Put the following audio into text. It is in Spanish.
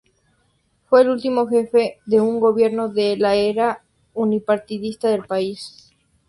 Fue el último jefe de un gobierno de la era unipartidista del país.